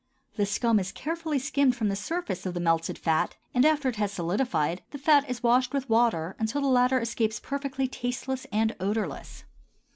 The scum is carefully skimmed from the surface of the melted fat, and, after it has solidified, the fat is washed with water until the latter escapes perfectly tasteless and odorless.